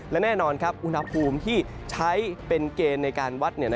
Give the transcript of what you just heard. และแน่นอนครับอุณหภูมิที่ใช้เป็นเกณฑ์ในการวัด